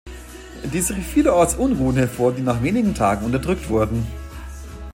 Dies rief vielerorts Unruhen hervor, die nach wenigen Tagen unterdrückt wurden.